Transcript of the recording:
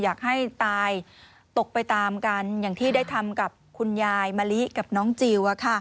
อยากให้ตายตกไปตามกันอย่างที่ได้ทำกับคุณยายมะลิกับน้องจิล